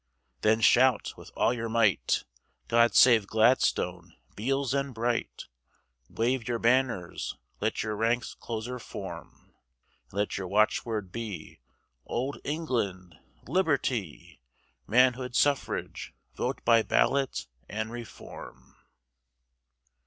Then shout with all your might, God save Gladstone, Beales, and Bright, Wave your banners, let your ranks closer form, And let your watchword be: "Old England! Liberty! Manhood Suffrage! Vote by Ballot! and Reform!"